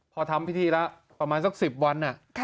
พอทำพิธีแล้วประมาณสัก๑๐วัน